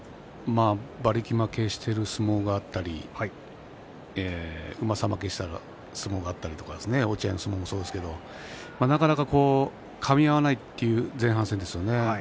馬力負けしている相撲があったりうまさ負けする相撲があったり落合の相撲もそうですがなかなか、かみ合わないという前半戦ですね。